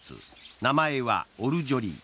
名前はオルジョリ。